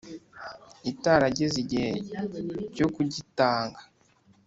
atarageza igihe cyo kugitanga.